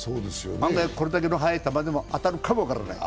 案外これだけの速い球でも当たるかもしれない。